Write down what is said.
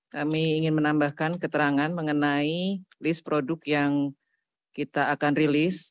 kami ingin menambahkan keterangan mengenai list produk yang kita akan rilis